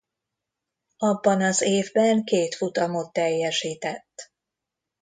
Abban az évben két futamot teljesített.